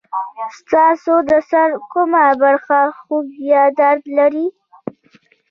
ستاسو د سر کومه برخه خوږ یا درد لري؟